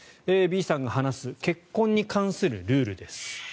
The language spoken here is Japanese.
Ｂさんが話す結婚に関するルールです。